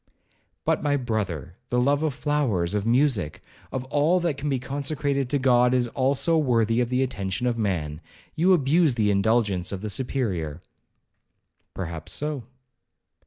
'But, my brother, the love of flowers, of music, of all that can be consecrated to God, is also worthy of the attention of man—you abuse the indulgence of the Superior.' 'Perhaps so.'